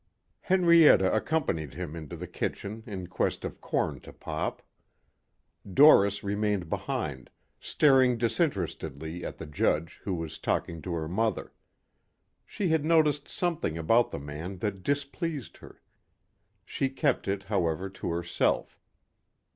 Henrietta accompanied him into the kitchen in quest of corn to pop. Doris remained behind, staring disinterestedly at the judge who was talking to her mother. She had noticed something about the man that displeased her. She kept it, however, to herself.